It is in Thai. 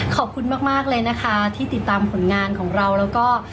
ขอบคุณมากเลยนะคะที่ติดตามผลงานของเราแล้วก็